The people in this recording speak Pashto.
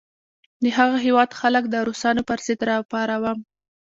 د هغه هیواد خلک د روسانو پر ضد را پاروم.